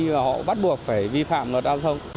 và họ bắt buộc phải vi phạm luật giao thông